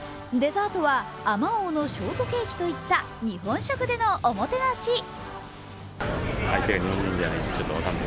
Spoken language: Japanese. デザートはあまおうのショートケーキといった日本食でのおもてなし。